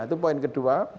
itu poin kedua